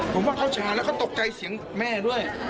ผมว่าเขาชาแล้วก็ตกใจเสียงแม่ด้วย